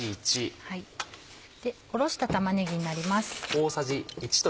おろした玉ねぎになります。